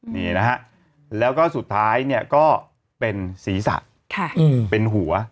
นี่นะฮะแล้วก็สุดท้ายเนี่ยก็เป็นศีรษะเป็นหัว